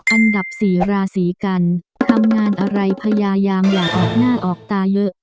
อันดับสี่ราศีกันทำงานอะไรพยายามอย่าออกหน้าออกตาเยอะ